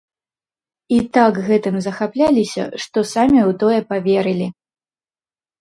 І так гэтым захапляліся, што самі ў тое паверылі.